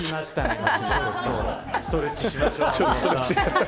ストレッチしましょう。